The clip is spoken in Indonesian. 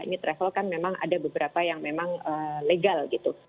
ini travel kan memang ada beberapa yang memang legal gitu